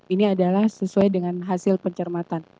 ini adalah sesuai dengan hasil pencermatan